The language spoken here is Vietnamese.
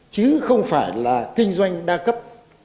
chứ không phải là kinh doanh đa cấp